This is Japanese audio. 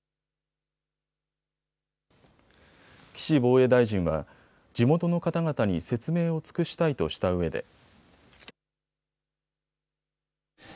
岸防衛大臣は、地元の方々に説明を尽くしたいとしたうえで。